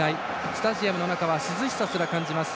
スタジアムの中は涼しさすら感じます。